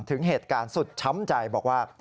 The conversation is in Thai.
ถึงเหตุการณ์สุดช้ำใจบอกว่า